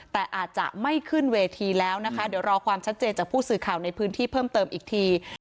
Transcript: แต่อาจจะไม่ขึ้นเวทีแล้วนะคะเดี๋ยวรอความชัดเจนจากผู้สื่อข่าวในพื้นที่เพิ่มเติมอีกที